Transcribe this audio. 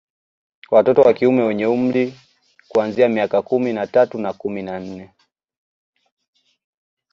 Watoto wa kiume wenye umri kuanzia miaka kumi na tatu na kumi na nne